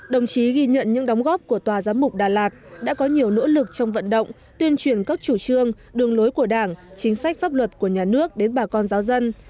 đồng chí ghi nhận những đóng góp của tòa giám mục đà lạt đã có nhiều nỗ lực trong vận động tuyên truyền các chủ trương đường lối của đảng chính sách pháp luật của nhà nước đến bà con giáo dân